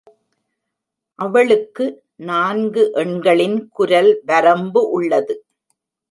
அவளுக்கு நான்கு எண்களின் குரல் வரம்பு உள்ளது.